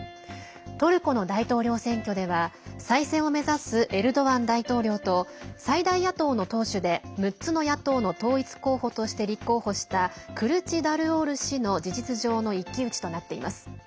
トルコの大統領選挙では再選を目指すエルドアン大統領と最大野党の党首で、６つの野党の統一候補として立候補したクルチダルオール氏の事実上の一騎打ちとなっています。